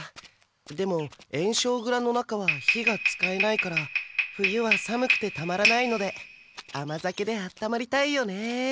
でも焔硝蔵の中は火が使えないから冬は寒くてたまらないのであま酒であったまりたいよね。